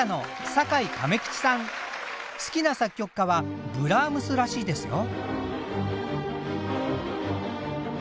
好きな作曲家はブラームスらしいですよ。